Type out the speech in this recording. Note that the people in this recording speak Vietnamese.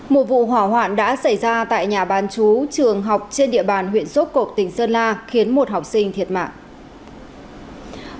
một vụ hỏa hoạn đã xảy ra tại nhà bán chú trường học trên địa bàn huyện sốp cộc tỉnh sơn la khiến một học sinh thiệt mạng